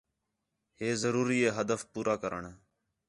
ہے ضروری ہے ہدف پورا کرݨ